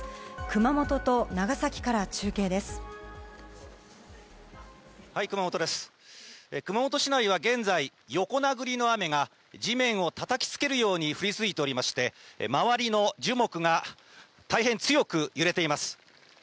熊本市内は現在、横殴りの雨が地面をたたきつけるように降り続いておりまして、周りの樹木が大変強く揺れています。